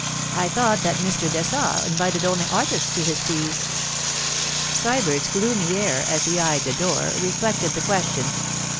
'I thought that Mr. Dessart invited only artists to his teas.' Sybert's gloomy air, as he eyed the door, reflected the question.